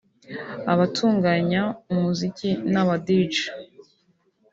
abatunganya umuziki n’aba-Djs